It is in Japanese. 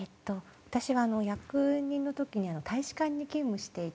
私は役人の時に大使館に勤務していた。